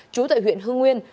trú tại huyện hưng nguyên